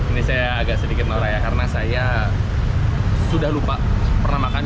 ini saya agak sedikit marah ya karena saya sudah lupa pernah makan